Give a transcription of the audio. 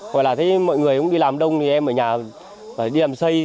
hoặc là thấy mọi người cũng đi làm đông thì em ở nhà phải đi làm xây